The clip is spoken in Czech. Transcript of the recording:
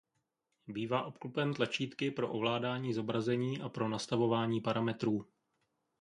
Bývá obklopen tlačítky pro ovládání zobrazení a pro nastavování parametrů.